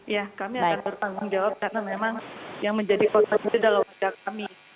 ya kami akan bertanggung jawab karena memang yang menjadi korban itu adalah pihak kami